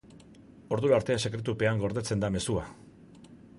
Ordura arte sekretupean gordetzen da mezua.